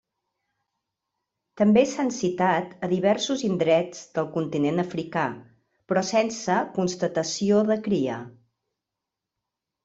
També s'han citat a diversos indrets del continent africà, però sense constatació de cria.